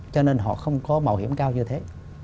cho nên họ không có bảo hiểm cao như thế